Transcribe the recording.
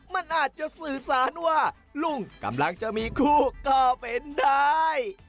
มันอาจจะสื่อสารว่าลุงกำลังจะมีคู่ก็เป็นได้